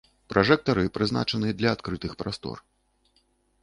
Пражэктары, прызначаны для адкрытых прастор.